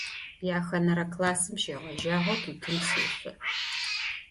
Yaxenere klassım şeğejağeu tutın sêşso.